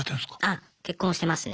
あ結婚してますね。